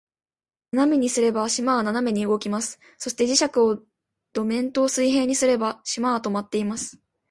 斜めにすれば、島は斜めに動きます。そして、磁石を土面と水平にすれば、島は停まっています。